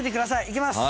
いきます。